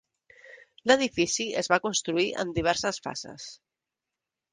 L'edifici es va construir en diverses fases.